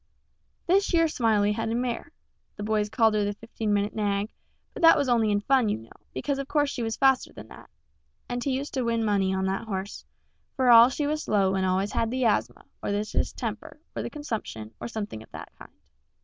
Thish yer Smiley had a mare the boys called her the fifteen minute nag, but that was only in fun, you know, because of course she was faster than that and he used to win money on that horse, for all she was slow and always had the asthma, or the distemper, or the consumption, or something of that kind.